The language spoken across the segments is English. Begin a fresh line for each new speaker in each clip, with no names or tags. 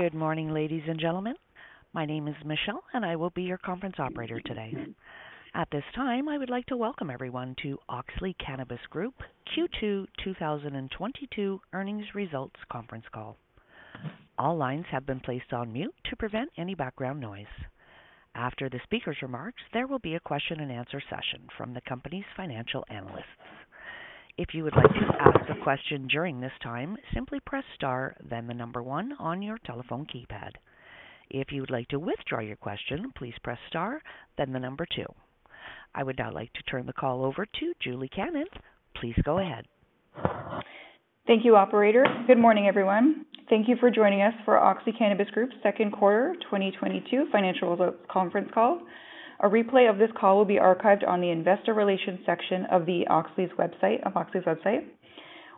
Good morning, ladies and gentlemen. My name is Michelle, and I will be your conference operator today. At this time, I would like to welcome everyone to Auxly Cannabis Group Q2 2022 Earnings Results Conference Call. All lines have been placed on mute to prevent any background noise. After the speaker's remarks, there will be a question and answer session from the company's financial analysts. If you would like to ask a question during this time, simply press star then the number one on your telephone keypad. If you would like to withdraw your question, please press star then the number two. I would now like to turn the call over to Julie Cannon. Please go ahead.
Thank you, operator. Good morning, everyone. Thank you for joining us for Auxly Cannabis Group's second quarter 2022 financial results conference call. A replay of this call will be archived on the investor relations section of Auxly's website.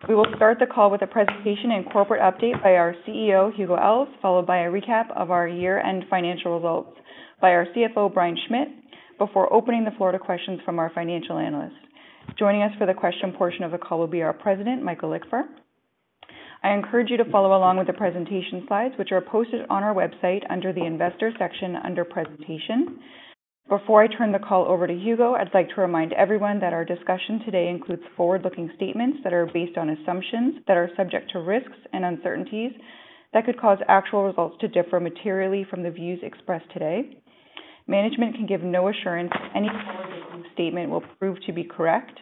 We will start the call with a presentation and corporate update by our CEO, Hugo Alves, followed by a recap of our year-end financial results by our CFO, Brian Schmitt, before opening the floor to questions from our financial analysts. Joining us for the question portion of the call will be our President, Michael Lickver. I encourage you to follow along with the presentation slides, which are posted on our website under the Investors section under Presentation. Before I turn the call over to Hugo, I'd like to remind everyone that our discussion today includes forward-looking statements that are based on assumptions that are subject to risks and uncertainties that could cause actual results to differ materially from the views expressed today. Management can give no assurance any forward-looking statement will prove to be correct.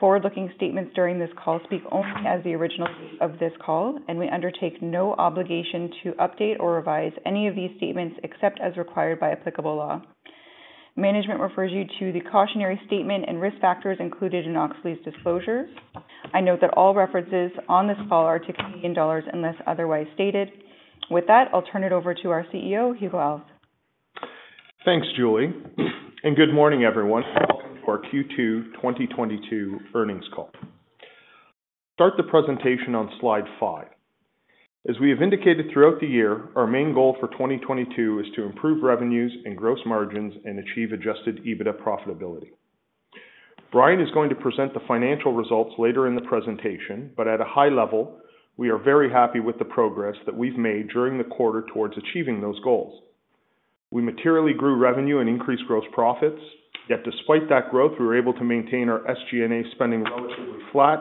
Forward-looking statements during this call speak only as of the original date of this call, and we undertake no obligation to update or revise any of these statements except as required by applicable law. Management refers you to the cautionary statement and risk factors included in Auxly's disclosures. I note that all references on this call are to Canadian dollars unless otherwise stated. With that, I'll turn it over to our CEO, Hugo Alves.
Thanks, Julie, and good morning, everyone. Welcome to our Q2 2022 earnings call. Start the presentation on slide five. As we have indicated throughout the year, our main goal for 2022 is to improve revenues and gross margins and achieve adjusted EBITDA profitability. Brian is going to present the financial results later in the presentation, but at a high level, we are very happy with the progress that we've made during the quarter towards achieving those goals. We materially grew revenue and increased gross profits. Yet despite that growth, we were able to maintain our SG&A spending relatively flat,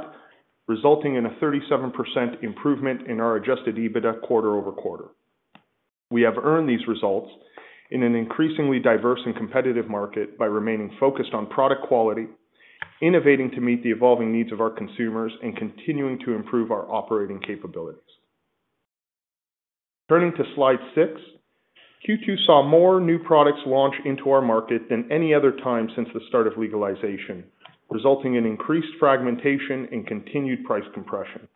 resulting in a 37% improvement in our adjusted EBITDA quarter over quarter. We have earned these results in an increasingly diverse and competitive market by remaining focused on product quality, innovating to meet the evolving needs of our consumers, and continuing to improve our operating capabilities. Turning to slide six, Q2 saw more new products launch into our market than any other time since the start of legalization, resulting in increased fragmentation and continued price compression.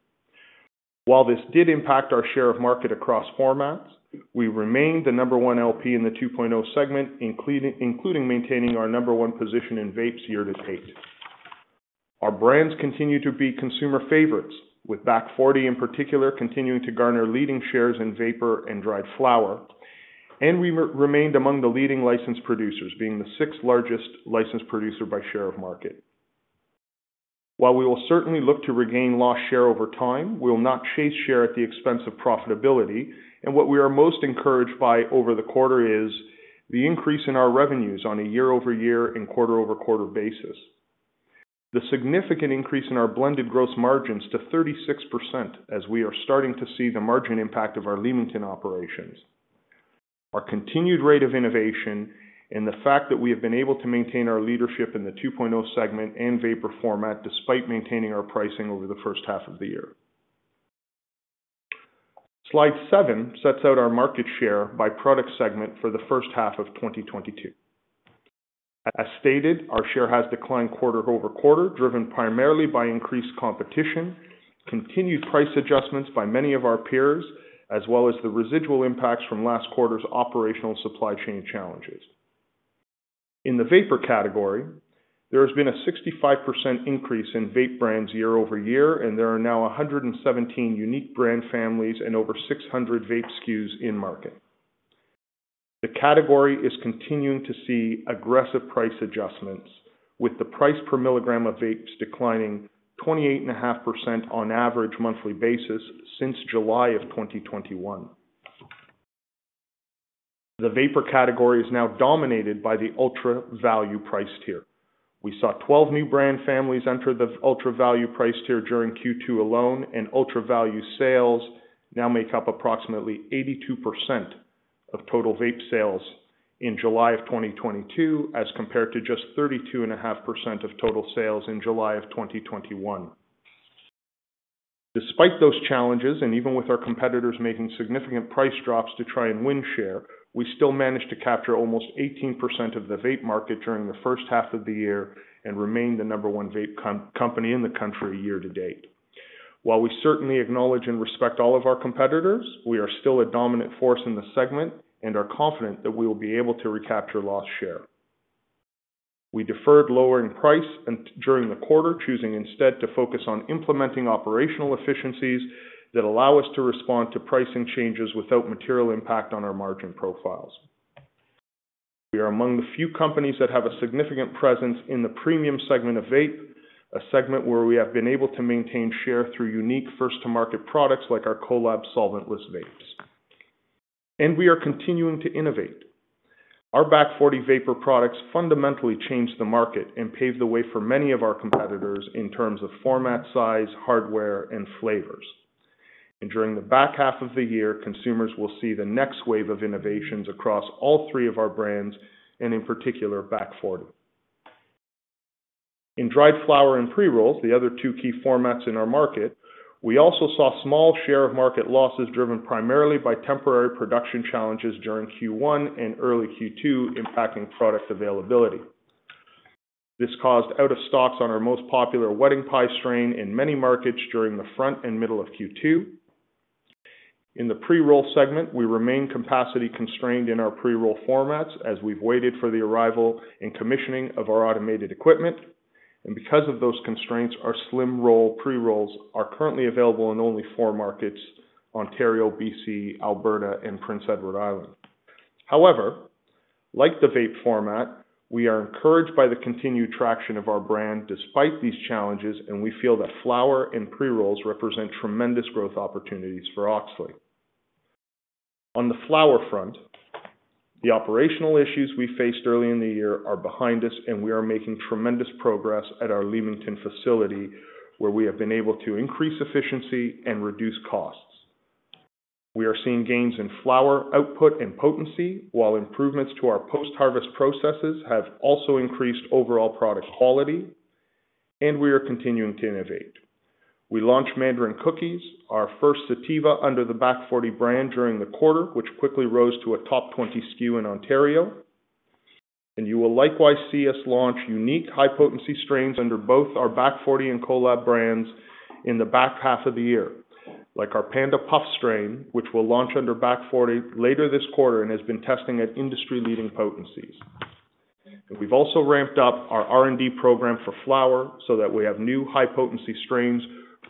While this did impact our share of market across formats, we remained the number one LP in the 2.0 segment, including maintaining our number one position in vapes year to date. Our brands continue to be consumer favorites, with Back Forty in particular continuing to garner leading shares in vapor and dried flower. We remained among the leading licensed producers, being the sixth-largest licensed producer by share of market. While we will certainly look to regain lost share over time, we will not chase share at the expense of profitability. What we are most encouraged by over the quarter is the increase in our revenues on a year-over-year and quarter-over-quarter basis. The significant increase in our blended gross margins to 36% as we are starting to see the margin impact of our Leamington operations. Our continued rate of innovation and the fact that we have been able to maintain our leadership in the 2.0 segment and vapor format despite maintaining our pricing over the first half of the year. Slide seven sets out our market share by product segment for the first half of 2022. As stated, our share has declined quarter-over-quarter, driven primarily by increased competition, continued price adjustments by many of our peers, as well as the residual impacts from last quarter's operational supply chain challenges. In the vapor category, there has been a 65% increase in vape brands year-over-year, and there are now 117 unique brand families and over 600 vape SKUs in market. The category is continuing to see aggressive price adjustments, with the price per milligram of vapes declining 28.5% on average monthly basis since July 2021. The vapor category is now dominated by the ultra-value price tier. We saw 12 new brand families enter the ultra-value price tier during Q2 alone, and ultra-value sales now make up approximately 82% of total vape sales in July 2022, as compared to just 32.5% of total sales in July 2021. Despite those challenges, and even with our competitors making significant price drops to try and win share, we still managed to capture almost 18% of the vape market during the first half of the year and remain the number 1 vape company in the country year to date. While we certainly acknowledge and respect all of our competitors, we are still a dominant force in the segment and are confident that we will be able to recapture lost share. We deferred lowering price and during the quarter, choosing instead to focus on implementing operational efficiencies that allow us to respond to pricing changes without material impact on our margin profiles. We are among the few companies that have a significant presence in the premium segment of vape, a segment where we have been able to maintain share through unique first to market products like our Kolab solventless vapes. We are continuing to innovate. Our Back Forty vapor products fundamentally changed the market and paved the way for many of our competitors in terms of format, size, hardware, and flavors. During the back half of the year, consumers will see the next wave of innovations across all three of our brands, and in particular, Back Forty. In dried flower and pre-rolls, the other two key formats in our market, we also saw small share of market losses driven primarily by temporary production challenges during Q1 and early Q2, impacting product availability. This caused out of stocks on our most popular Wedding Pie strain in many markets during the front and middle of Q2. In the pre-roll segment, we remain capacity constrained in our pre-roll formats as we've waited for the arrival and commissioning of our automated equipment. Because of those constraints, our slim roll pre-rolls are currently available in only four markets Ontario, BC, Alberta, and Prince Edward Island. However, like the vape format, we are encouraged by the continued traction of our brand despite these challenges, and we feel that flower and pre-rolls represent tremendous growth opportunities for Auxly. On the flower front, the operational issues we faced early in the year are behind us, and we are making tremendous progress at our Auxly Leamington facility, where we have been able to increase efficiency and reduce costs. We are seeing gains in flower output and potency, while improvements to our post-harvest processes have also increased overall product quality. We are continuing to innovate. We launched Mandarin Cookies, our first sativa under the Back Forty brand, during the quarter, which quickly rose to a top 20 SKU in Ontario. You will likewise see us launch unique high-potency strains under both our Back Forty and Kolab Project brands in the back half of the year. Like our Panda Puff strain, which will launch under Back Forty later this quarter and has been testing at industry-leading potencies. We've also ramped up our R&D program for flower so that we have new high-potency strains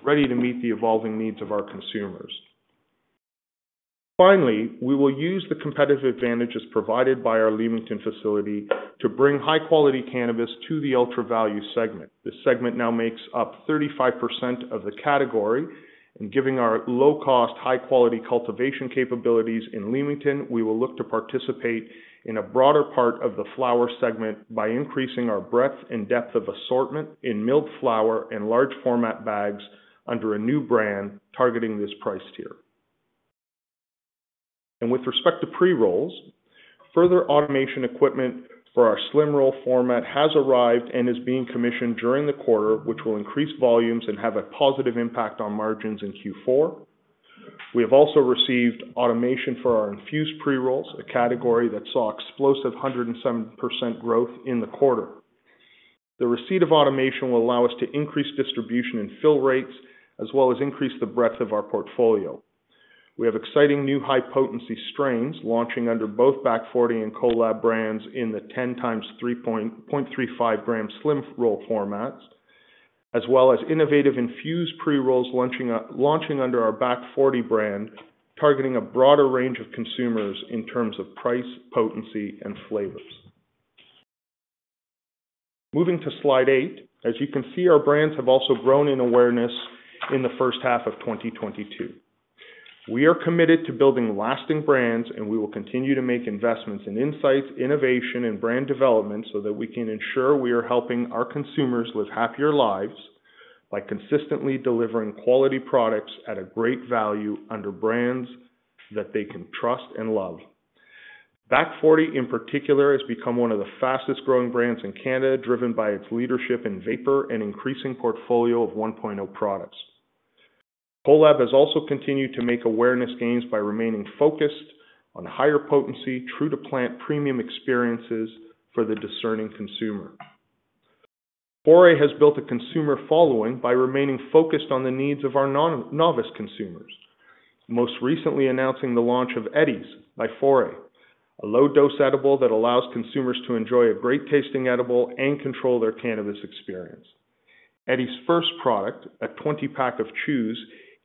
ready to meet the evolving needs of our consumers. Finally, we will use the competitive advantages provided by our Leamington facility to bring high-quality cannabis to the ultra-value segment. This segment now makes up 35% of the category, and giving our low-cost, high-quality cultivation capabilities in Leamington, we will look to participate in a broader part of the flower segment by increasing our breadth and depth of assortment in milled flower and large format bags under a new brand targeting this price tier. With respect to pre-rolls, further automation equipment for our slim roll format has arrived and is being commissioned during the quarter, which will increase volumes and have a positive impact on margins in Q4. We have also received automation for our infused pre-rolls, a category that saw explosive 107% growth in the quarter. The receipt of automation will allow us to increase distribution and fill rates, as well as increase the breadth of our portfolio. We have exciting new high-potency strains launching under both Back Forty and Kolab Project brands in the 10 x 0.35g slim roll formats, as well as innovative infused pre-rolls launching under our Back Forty brand, targeting a broader range of consumers in terms of price, potency, and flavors. Moving to slide eight. As you can see, our brands have also grown in awareness in the first half of 2022. We are committed to building lasting brands, and we will continue to make investments in insights, innovation, and brand development so that we can ensure we are helping our consumers live happier lives by consistently delivering quality products at a great value under brands that they can trust and love. Back Forty, in particular, has become one of the fastest-growing brands in Canada, driven by its leadership in vapor and increasing portfolio of 1.0 products. Kolab Project has also continued to make awareness gains by remaining focused on higher potency, true to plant premium experiences for the discerning consumer. Foray has built a consumer following by remaining focused on the needs of our novice consumers. Most recently announcing the launch of Edi's by Foray, a low-dose edible that allows consumers to enjoy a great-tasting edible and control their cannabis experience. Edi's first product, a 20-pack of chews,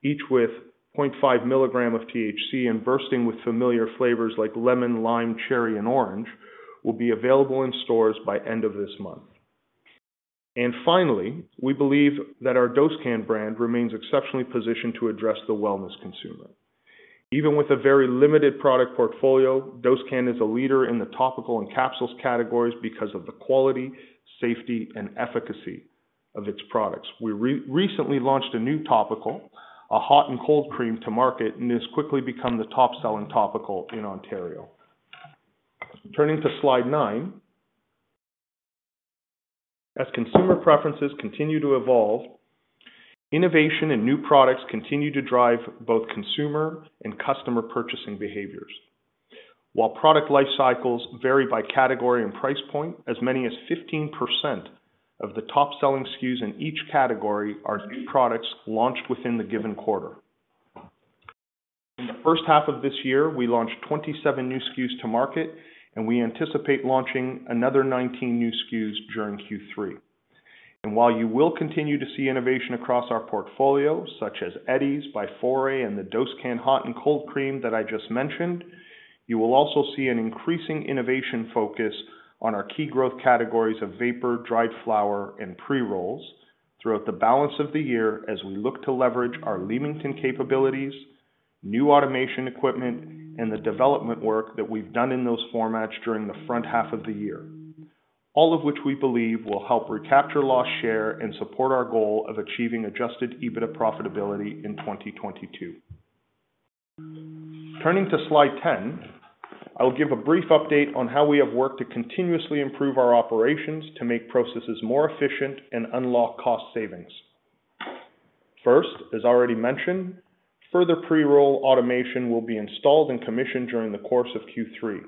each with 0.5mg of THC and bursting with familiar flavors like lemon, lime, cherry, and orange, will be available in stores by end of this month. Finally, we believe that our Dosecann brand remains exceptionally positioned to address the wellness consumer. Even with a very limited product portfolio, Dosecann is a leader in the topical and capsules categories because of the quality, safety, and efficacy of its products. We recently launched a new topical, a hot and cold cream to market, and has quickly become the top-selling topical in Ontario. Turning to slide nine. As consumer preferences continue to evolve, innovation and new products continue to drive both consumer and customer purchasing behaviors. While product life cycles vary by category and price point, as many as 15% of the top-selling SKUs in each category are new products launched within the given quarter. In the first half of this year, we launched 27 new SKUs to market, and we anticipate launching another 19 new SKUs during Q3. While you will continue to see innovation across our portfolio, such as Edi's by Foray and the Dosecann hot and cold cream that I just mentioned, you will also see an increasing innovation focus on our key growth categories of vapor, dried flower and pre-rolls throughout the balance of the year as we look to leverage our Leamington capabilities, new automation equipment, and the development work that we've done in those formats during the front half of the year. All of which we believe will help recapture lost share and support our goal of achieving adjusted EBITDA profitability in 2022. Turning to slide 10, I will give a brief update on how we have worked to continuously improve our operations to make processes more efficient and unlock cost savings. First, as already mentioned, further pre-roll automation will be installed and commissioned during the course of Q3.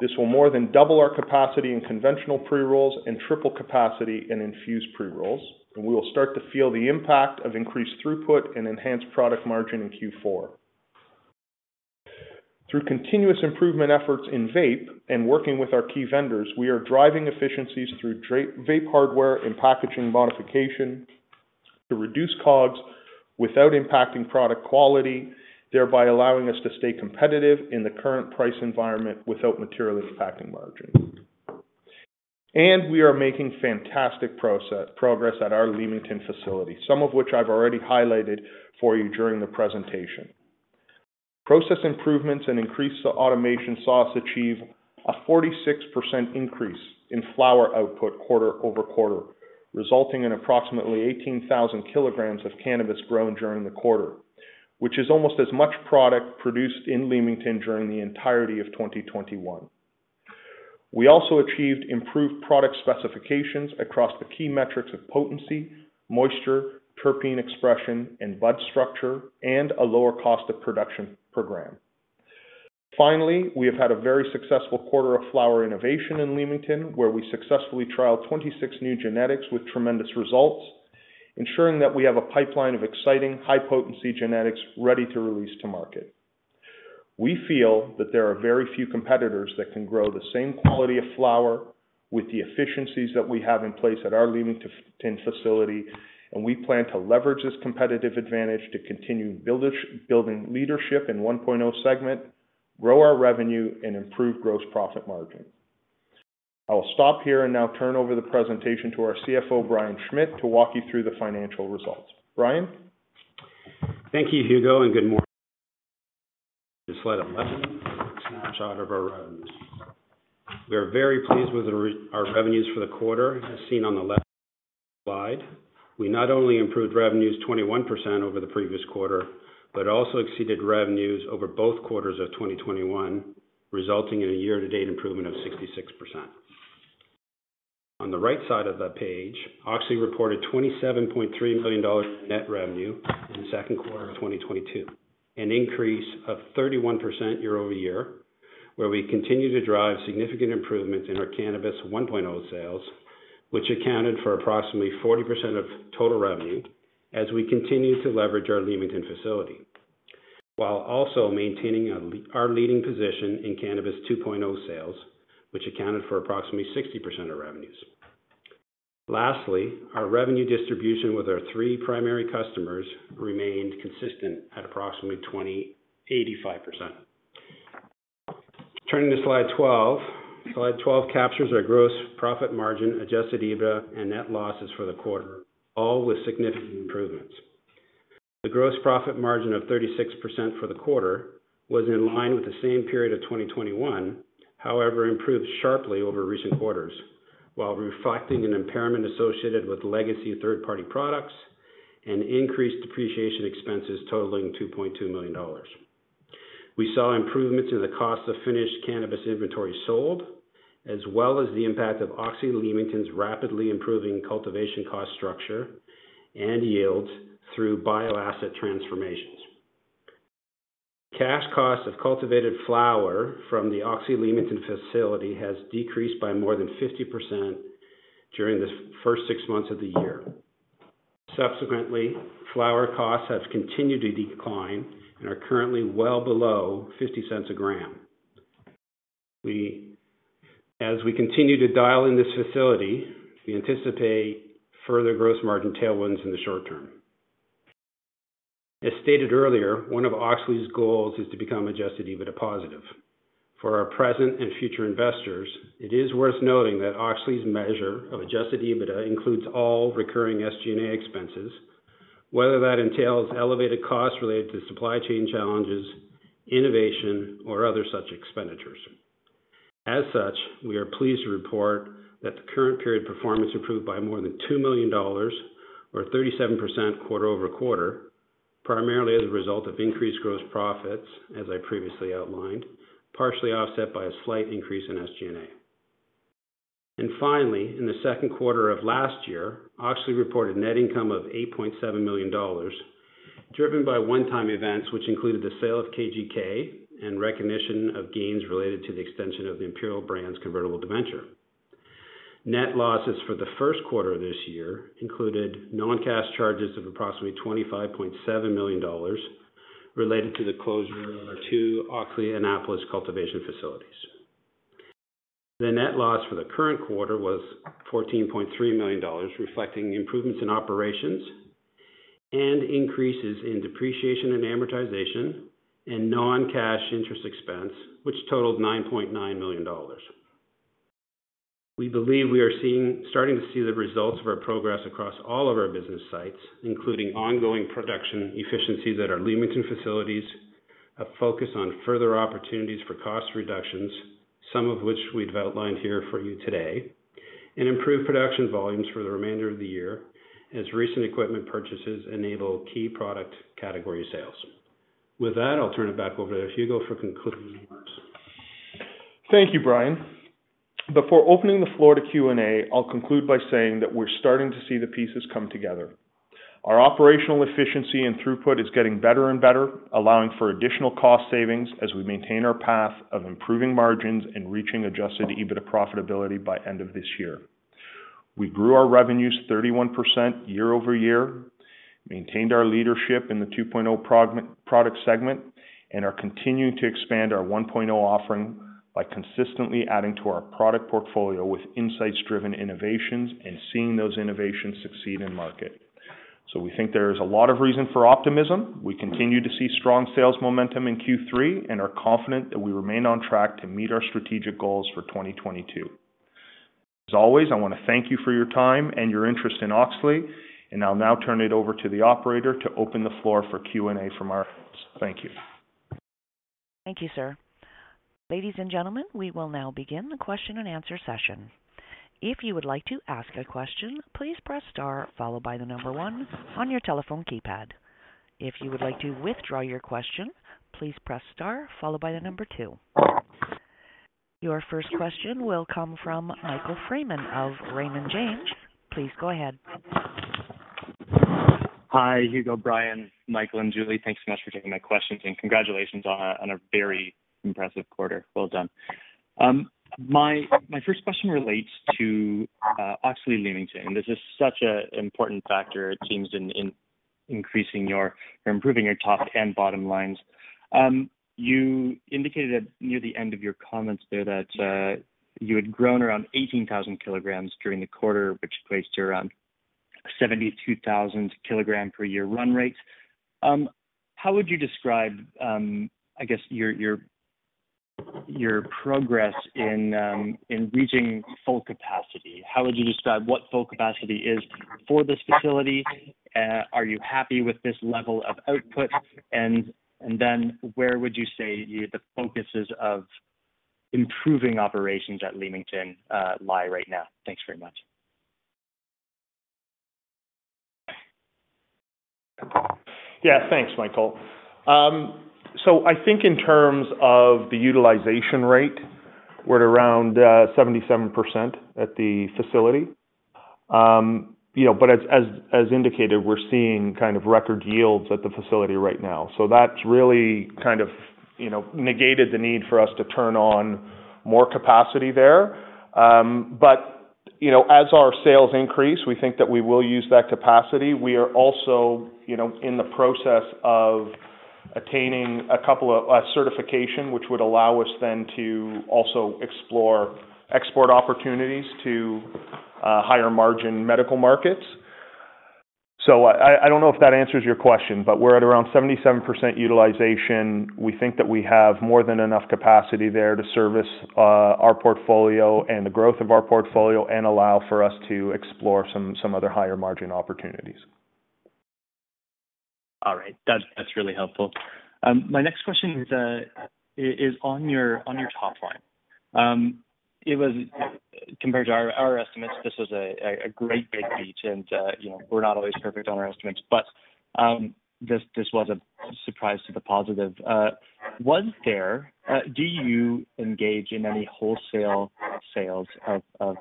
This will more than double our capacity in conventional pre-rolls and triple capacity in infused pre-rolls, and we will start to feel the impact of increased throughput and enhanced product margin in Q4. Through continuous improvement efforts in vape and working with our key vendors, we are driving efficiencies through vape hardware and packaging modification to reduce COGS without impacting product quality, thereby allowing us to stay competitive in the current price environment without materially impacting margin. We are making fantastic progress at our Leamington facility, some of which I've already highlighted for you during the presentation. Process improvements and increased automation saw us achieve a 46% increase in flower output quarter-over-quarter, resulting in approximately 18,000 kilograms of cannabis grown during the quarter, which is almost as much product produced in Leamington during the entirety of 2021. We also achieved improved product specifications across the key metrics of potency, moisture, terpene expression, and bud structure, and a lower cost of production per gram. Finally, we have had a very successful quarter of flower innovation in Leamington, where we successfully trialed 26 new genetics with tremendous results, ensuring that we have a pipeline of exciting high-potency genetics ready to release to market. We feel that there are very few competitors that can grow the same quality of flower with the efficiencies that we have in place at our Leamington facility, and we plan to leverage this competitive advantage to continue building leadership in 1.0 segment, grow our revenue, and improve gross profit margin. I will stop here and now turn over the presentation to our CFO, Brian Schmitt, to walk you through the financial results. Brian.
Thank you, Hugo, and good morning. Slide 11 is a snapshot of our revenues. We are very pleased with our revenues for the quarter, as seen on the left slide. We not only improved revenues 21% over the previous quarter, but also exceeded revenues over both quarters of 2021, resulting in a year-to-date improvement of 66%. On the right side of the page, Auxly reported 27.3 million dollars in net revenue in the second quarter of 2022, an increase of 31% year-over-year, where we continue to drive significant improvements in our cannabis 1.0 sales, which accounted for approximately 40% of total revenue as we continue to leverage our Leamington facility, while also maintaining our leading position in cannabis 2.0 sales, which accounted for approximately 60% of revenues. Lastly, our revenue distribution with our three primary customers remained consistent at approximately 20%-85%. Turning to slide 12. Slide 12 captures our gross profit margin, adjusted EBITDA, and net losses for the quarter, all with significant improvements. The gross profit margin of 36% for the quarter was in line with the same period of 2021, however, improved sharply over recent quarters, while reflecting an impairment associated with legacy third-party products and increased depreciation expenses totaling 2.2 million dollars. We saw improvements in the cost of finished cannabis inventory sold, as well as the impact of Auxly Leamington's rapidly improving cultivation cost structure and yields through bio-asset transformations. Cash cost of cultivated flower from the Auxly Leamington facility has decreased by more than 50% during the first six months of the year. Subsequently, flower costs have continued to decline and are currently well below 0.50 a gram. As we continue to dial in this facility, we anticipate further gross margin tailwinds in the short term. As stated earlier, one of Auxly's goals is to become adjusted EBITDA positive. For our present and future investors, it is worth noting that Auxly's measure of adjusted EBITDA includes all recurring SG&A expenses, whether that entails elevated costs related to supply chain challenges, innovation, or other such expenditures. As such, we are pleased to report that the current period performance improved by more than 2 million dollars or 37% quarter-over-quarter, primarily as a result of increased gross profits, as I previously outlined, partially offset by a slight increase in SG&A. Finally, in the second quarter of last year, Auxly reported net income of 8.7 million dollars, driven by one-time events, which included the sale of KGK and recognition of gains related to the extension of the Imperial Brands convertible debenture. Net losses for the first quarter of this year included non-cash charges of approximately 25.7 million dollars related to the closure of our two Auxly Annapolis cultivation facilities. The net loss for the current quarter was 14.3 million dollars, reflecting improvements in operations and increases in depreciation and amortization and non-cash interest expense, which totaled 9.9 million dollars. We believe we are starting to see the results of our progress across all of our business sites, including ongoing production efficiencies at our Leamington facilities, a focus on further opportunities for cost reductions, some of which we've outlined here for you today, and improved production volumes for the remainder of the year as recent equipment purchases enable key product category sales. With that, I'll turn it back over to Hugo for concluding remarks.
Thank you, Brian. Before opening the floor to Q&A, I'll conclude by saying that we're starting to see the pieces come together. Our operational efficiency and throughput is getting better and better, allowing for additional cost savings as we maintain our path of improving margins and reaching adjusted EBITDA profitability by end of this year. We grew our revenues 31% year-over-year, maintained our leadership in the 2.0 product segment, and are continuing to expand our 1.0 offering by consistently adding to our product portfolio with insights-driven innovations and seeing those innovations succeed in market. We think there is a lot of reason for optimism. We continue to see strong sales momentum in Q3 and are confident that we remain on track to meet our strategic goals for 2022. As always, I wanna thank you for your time and your interest in Auxly, and I'll now turn it over to the operator to open the floor for Q&A from our audience. Thank you.
Thank you, sir. Ladies and gentlemen, we will now begin the question and answer session. If you would like to ask a question, please press star followed by one on your telephone keypad. If you would like to withdraw your question, please press star followed by two. Your first question will come from Michael Freeman of Raymond James. Please go ahead.
Hi, Hugo, Brian, Michael, and Julie. Thanks so much for taking my questions and congratulations on a very impressive quarter. Well done. My first question relates to Auxly Leamington. This is such an important factor it seems in increasing your or improving your top and bottom lines. You indicated that near the end of your comments there that you had grown around 18,000 kilograms during the quarter, which placed around 72,000kg per year run rate. How would you describe your progress in reaching full capacity? How would you describe what full capacity is for this facility? Are you happy with this level of output? Then where would you say the focuses of improving operations at Leamington lie right now? Thanks very much.
Yeah. Thanks, Michael. I think in terms of the utilization rate, we're at around 77% at the facility. You know, as indicated, we're seeing kind of record yields at the facility right now. That's really kind of, you know, negated the need for us to turn on more capacity there. You know, as our sales increase, we think that we will use that capacity. We are also, you know, in the process of attaining a couple of certifications, which would allow us then to also explore export opportunities to higher margin medical markets. I don't know if that answers your question, but we're at around 77% utilization. We think that we have more than enough capacity there to service our portfolio and the growth of our portfolio and allow for us to explore some other higher margin opportunities.
All right. That's really helpful. My next question is on your top line. Compared to our estimates, this was a great big beat. You know, we're not always perfect on our estimates, but this was a surprise to the positive. Do you engage in any wholesale sales of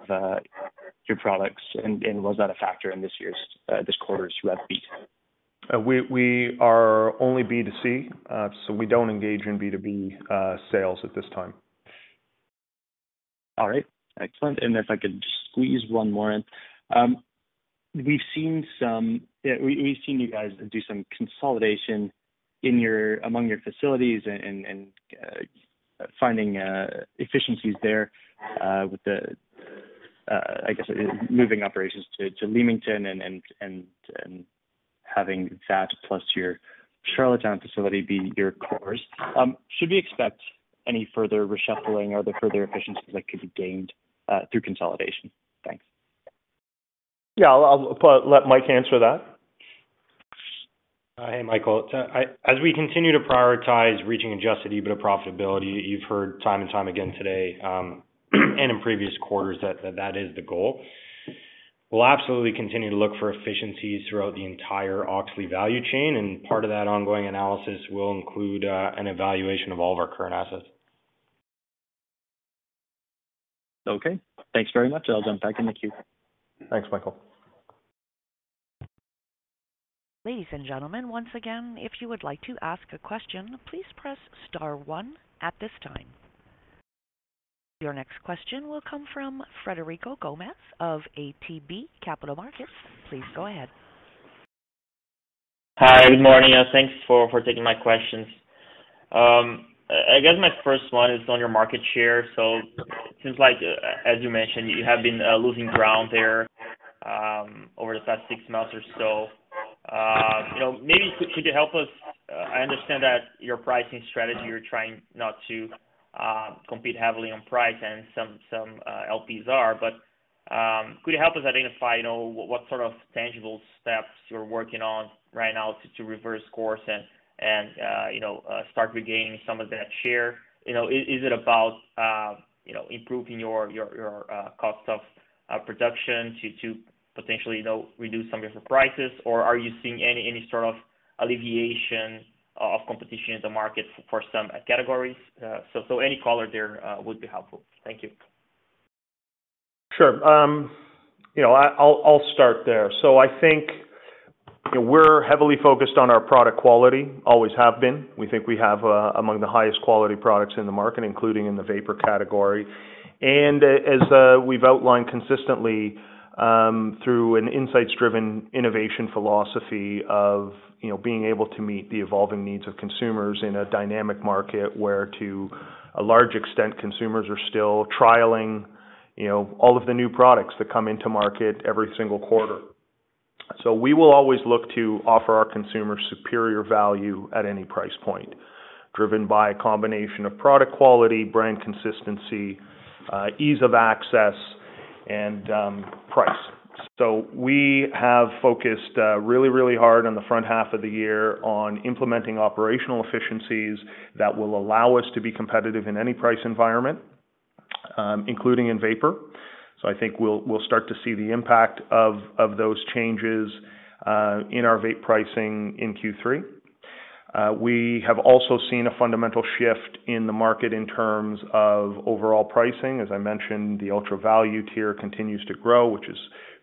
your products and was that a factor in this quarter's rev beat?
We are only B2C, so we don't engage in B2B sales at this time.
All right. Excellent. If I could just squeeze one more in. We've seen you guys do some consolidation among your facilities and finding efficiencies there with the I guess moving operations to Leamington and having that plus your Charlottetown facility be your cores. Should we expect any further reshuffling or the further efficiencies that could be gained through consolidation? Thanks.
Yeah. I'll let Mike answer that.
Hey, Michael. As we continue to prioritize reaching adjusted EBITDA profitability, you've heard time and time again today, and in previous quarters that is the goal. We'll absolutely continue to look for efficiencies throughout the entire Auxly value chain, and part of that ongoing analysis will include an evaluation of all of our current assets.
Okay. Thanks very much. Well done. Back in the queue.
Thanks, Michael.
Ladies and gentlemen, once again, if you would like to ask a question, please press star one at this time. Your next question will come from Frederico Gomes of ATB Capital Markets. Please go ahead.
Hi, good morning, and thanks for taking my questions. I guess my first one is on your market share. It seems like as you mentioned, you have been losing ground there over the past six months or so. You know, maybe could you help us. I understand that your pricing strategy, you're trying not to compete heavily on price and some LPs are, but could you help us identify, you know, what sort of tangible steps you're working on right now to reverse course and, you know, start regaining some of that share? You know, is it about, you know, improving your cost of production to potentially, you know, reduce some of your prices? Are you seeing any sort of alleviation of competition in the market for some categories? Any color there would be helpful. Thank you.
Sure. You know, I'll start there. I think, you know, we're heavily focused on our product quality. Always have been. We think we have among the highest quality products in the market, including in the vapor category. As we've outlined consistently through an insights-driven innovation philosophy of, you know, being able to meet the evolving needs of consumers in a dynamic market where to a large extent consumers are still trialing, you know, all of the new products that come into market every single quarter. We will always look to offer our consumers superior value at any price point, driven by a combination of product quality, brand consistency, ease of access, and price. We have focused really hard on the front half of the year on implementing operational efficiencies that will allow us to be competitive in any price environment, including in vapor. I think we'll start to see the impact of those changes in our vape pricing in Q3. We have also seen a fundamental shift in the market in terms of overall pricing. As I mentioned, the ultra value tier continues to grow, which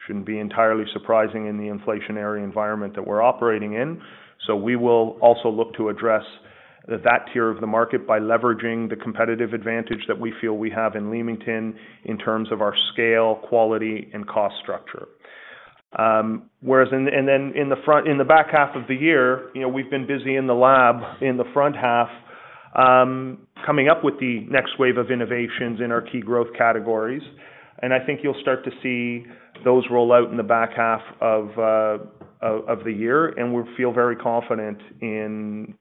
shouldn't be entirely surprising in the inflationary environment that we're operating in. We will also look to address that tier of the market by leveraging the competitive advantage that we feel we have in Leamington in terms of our scale, quality, and cost structure. Whereas in... In the back half of the year, you know, we've been busy in the lab in the front half, coming up with the next wave of innovations in our key growth categories. I think you'll start to see those roll out in the back half of the year, and we feel very confident in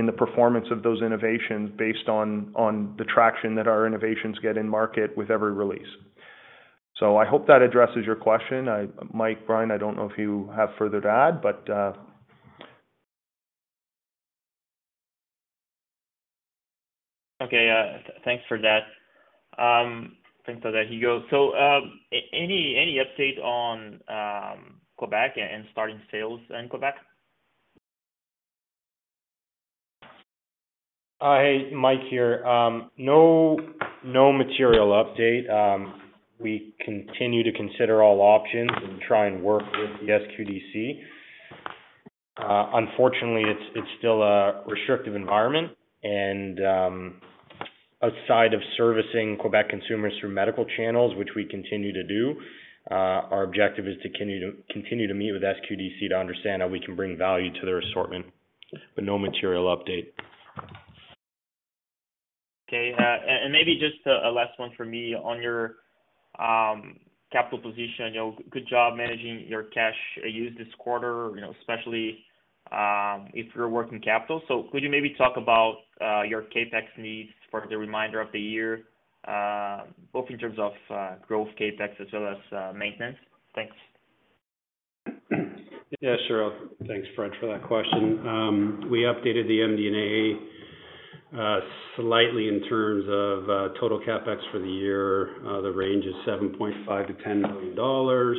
the performance of those innovations based on the traction that our innovations get in market with every release. I hope that addresses your question. Mike, Brian, I don't know if you have further to add, but.
Thanks for that. Thanks for that, Hugo. Any update on Québec and starting sales in Québec?
Hey, Mike here. No material update. We continue to consider all options and try and work with the SQDC. Unfortunately, it's still a restrictive environment and, outside of servicing Quebec consumers through medical channels, which we continue to do, our objective is to continue to meet with SQDC to understand how we can bring value to their assortment, but no material update.
Okay. And maybe just a last one for me. On your capital position, you know, good job managing your cash use this quarter, you know, especially in your working capital. Could you maybe talk about your CapEx needs for the remainder of the year, both in terms of growth CapEx as well as maintenance? Thanks.
Yeah, sure. Thanks, Fred, for that question. We updated the MD&A slightly in terms of total CapEx for the year. The range is 7.5 million-10 million dollars.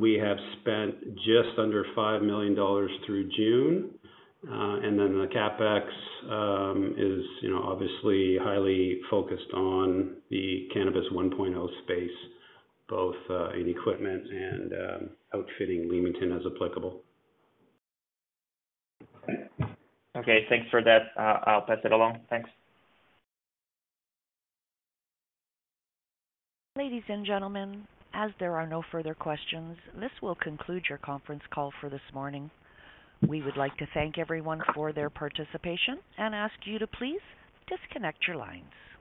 We have spent just under 5 million dollars through June. The CapEx is, you know, obviously highly focused on the Cannabis 1.0 space, both in equipment and outfitting Leamington as applicable.
Okay. Thanks for that. I'll pass it along. Thanks.
Ladies and gentlemen, as there are no further questions, this will conclude your conference call for this morning. We would like to thank everyone for their participation and ask you to please disconnect your lines.